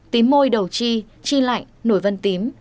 tím môi đầu chi chi lạnh nổi vân tím